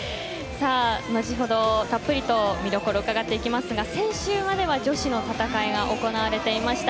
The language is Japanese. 後ほどたっぷりと見どころを伺っていきますが先週まで女子の戦いが行われていました。